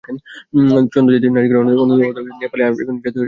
চন্দ জাতীয় নাচ’ঘরের অন্যতম প্রধান মুখ, নেপালের আইকনিক জাতীয় থিয়েটার।